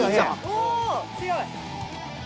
おぉ強い。